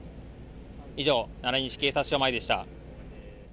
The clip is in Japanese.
以上、奈良西警察署前でした。